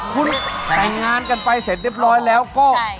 คุณแต่งงานกันไปเสร็จเรียบร้อยแล้วก็